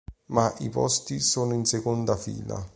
Ma i posti sono in seconda fila.